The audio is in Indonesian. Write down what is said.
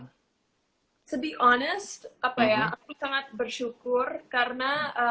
to be honest apa ya sangat bersyukur karena